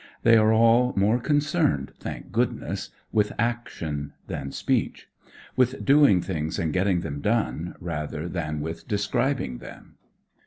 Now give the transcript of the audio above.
They are all more concerned— thank goodness !— with action than speech ; with doing things and getting them done, rather than with describing them.